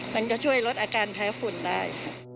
มันก็ช่วยลดอาการแพ้ฝุ่นได้